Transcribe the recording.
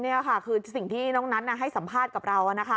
นี่ค่ะคือสิ่งที่น้องนัทให้สัมภาษณ์กับเรา